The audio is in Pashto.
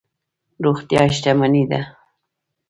روغتیا شتمني ده.